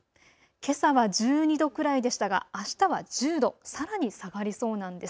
けさは１２度くらいでしたがあしたは１０度、さらに下がりそうなんです。